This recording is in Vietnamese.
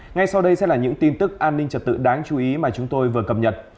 ngay sau đây sẽ là những tin tức an ninh trật tự đáng chú ý mà chúng tôi vừa cập nhật